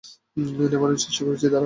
নেভানোর চেষ্টা করছি, দাঁড়াও!